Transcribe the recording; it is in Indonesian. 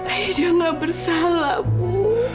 aida gak bersalah bu